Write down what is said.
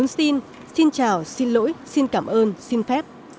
bốn xin xin chào xin lỗi xin cảm ơn xin phép